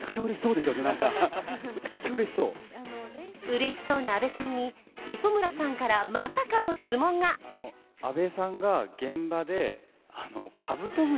うれしそうな阿部さんに、磯村さんからまさかの質問が果たして、その真相は？